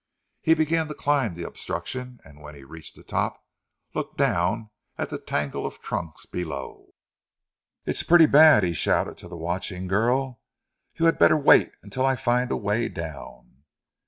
He began to climb the obstruction and when he reached the top looked down at the tangle of trunks below. "It's pretty bad," he shouted to the watching girl. "You had better wait until I find a way down."